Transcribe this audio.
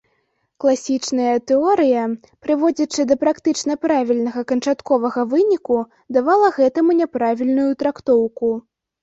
Класічная тэорыя, прыводзячы да практычна правільнага канчатковага выніку, давала гэтаму няправільную трактоўку.